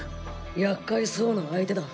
やっかいそうな相手だ。